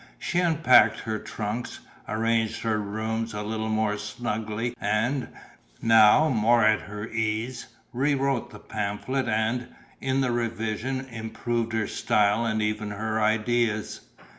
She unpacked her trunks, arranged her rooms a little more snugly and, now more at her ease, rewrote the pamphlet and, in the revision, improved her style and even her ideas.